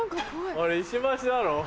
あれ石橋だろ。